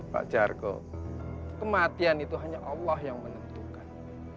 pak jargo kematian itu hanya allah yang menentukan